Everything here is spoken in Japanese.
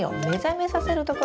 目覚めさせる？